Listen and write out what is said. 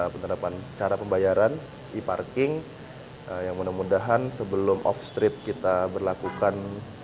penerapan cara pembayaran e parking yang mudah mudahan sebelum off street kita berlakukan